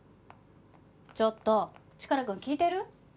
ちょっとチカラくん聞いてる？